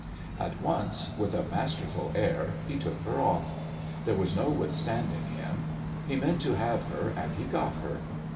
At once, with a masterful air, he took her off. There was no withstanding him. He meant to have her and he got her.